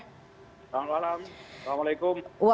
selamat malam waalaikumsalam